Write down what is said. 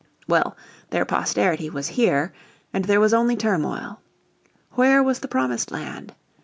Well, their posterity was here and there was only turmoil. Where was the promised land?